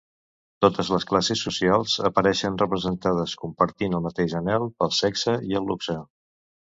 Totes les classes socials apareixen representades, compartint el mateix anhel pel sexe i el luxe.